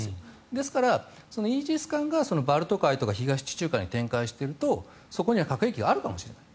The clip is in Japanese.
ですから、イージス艦がバルト海とか東地中海に展開していると、そこには核兵器があるかもしれない。